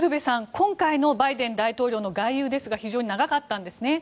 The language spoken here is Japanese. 今回のバイデン大統領の外遊ですが非常に長かったんですね。